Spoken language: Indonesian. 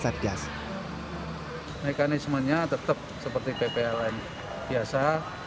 mekanismenya tetap seperti ppln biasa